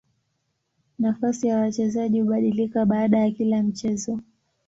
Nafasi ya wachezaji hubadilika baada ya kila mchezo.